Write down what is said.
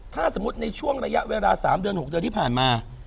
ถ้าสมมุติในช่วงระยะเวลา๓เดือน๖เดือนที่ผ่านมา